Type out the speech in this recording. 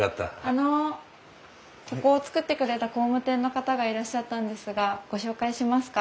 あのここを造ってくれた工務店の方がいらっしゃったんですがご紹介しますか？